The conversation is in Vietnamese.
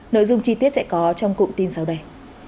nội dung chi tiết sẽ có trong cụm tin sau đây